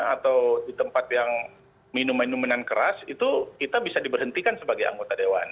atau di tempat yang minuman minuman keras itu kita bisa diberhentikan sebagai anggota dewan